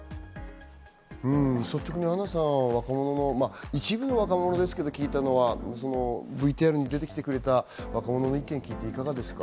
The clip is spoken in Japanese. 率直にアンナさん、一部の若者ですけど聞いたのは、ＶＴＲに出てきてくれた若者の意見を聞いてどうですか？